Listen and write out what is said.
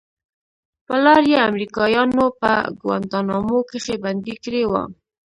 پلار يې امريکايانو په گوانټانامو کښې بندي کړى و.